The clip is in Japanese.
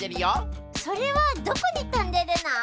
それはどこにとんでるの？